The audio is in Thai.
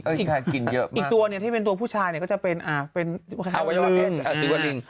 โยนีส่วนตัวอีกตัวนี่ที่เป็นตัวผู้ชายก็จะเป็นเป็นเอาไว้ว่าเป็นสีวริง